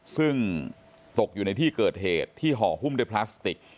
ซึ่งตกอยู่ในที่เกิดเหตุที่ห่อหุ้มด้วยพลาสติก